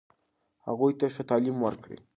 هغوی ته ښه تعلیم ورکړئ.